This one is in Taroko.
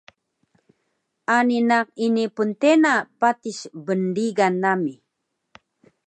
Ani naq ini pntena patis bnrigan nami